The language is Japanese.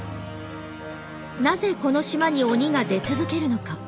なぜこの島に鬼が出続けるのか。